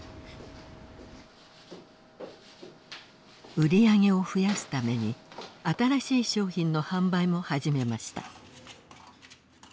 売り上げを増やすために新しい商品の販売も始めました。